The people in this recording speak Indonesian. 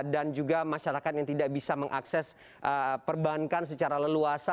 dan juga masyarakat yang tidak bisa mengakses perbankan secara leluasa